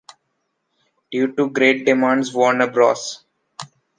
Due to the great demand, Warner Bros.